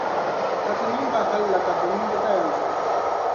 Ka ti niŋ ba hallaka domin bɛ taya zuɣu.